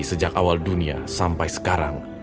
sejak awal dunia sampai sekarang